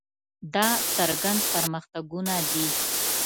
دا څرګند پرمختګونه دي.